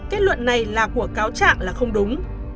kết luận này là của cáo trạng là không đúng